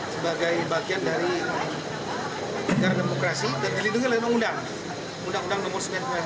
sebagai bagian dari negara demokrasi dan dilindungi oleh undang